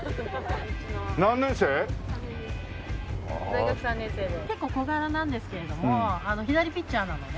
大学３年生で結構小柄なんですけれども左ピッチャーなので。